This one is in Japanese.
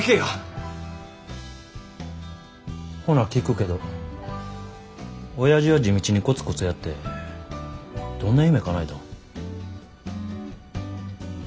ほな聞くけどおやじは地道にコツコツやってどんな夢かなえたん。